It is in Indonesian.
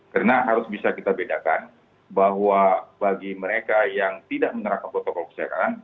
karena harus bisa kita bedakan bahwa bagi mereka yang tidak menerapkan protokol kesehatan